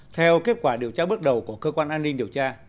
theo kết quả điều tra bước đầu của cơ quan an ninh điều tra